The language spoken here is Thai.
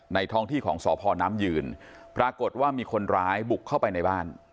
ท้องที่ของสพน้ำยืนปรากฏว่ามีคนร้ายบุกเข้าไปในบ้าน